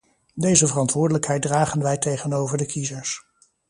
Deze verantwoordelijkheid dragen wij tegenover de kiezers.